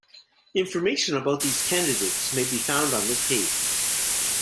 Information about these candidates may be found on this page.